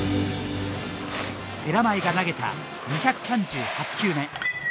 寺前が投げた２３８球目。